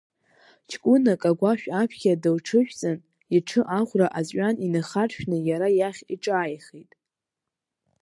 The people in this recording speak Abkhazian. Ҷкәынак агәашә аԥхьа дылҽыжәҵын, иҽы аӷәра аҵәҩан инахаршәны иара иахь иҿааихеит…